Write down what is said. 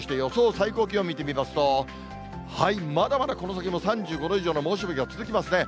最高気温見てみますと、まだまだこの先も３５度以上の猛暑日が続きますね。